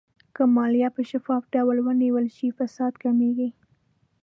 که مالیه په شفاف ډول ونیول شي، فساد کمېږي.